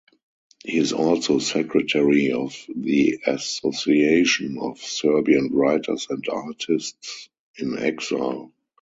He is also secretary of the "Association of Serbian Writers and Artists in Exile".